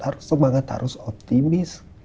harus semangat harus optimis